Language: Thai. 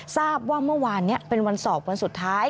ทราบว่าเมื่อวานนี้เป็นวันสอบวันสุดท้าย